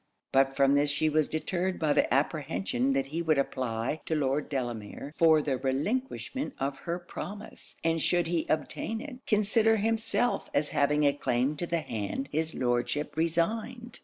But from this she was deterred by the apprehension that he would apply to Lord Delamere for the relinquishment of her promise; and should he obtain it, consider himself as having a claim to the hand his Lordship resigned.